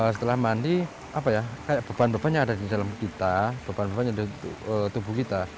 setelah mandi apa ya kayak beban bebannya ada di dalam kita beban bebannya di tubuh kita